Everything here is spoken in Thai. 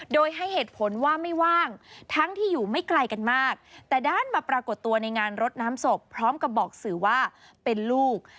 โดยให้เหตุผลว่าไม่ว่างทั้งที่อยู่ไม่ไกลกันมากแต่ด้านมาปรากฏตัวในงานรดน้ำศพพร้อมกับบอกสื่อว่าเป็นลูก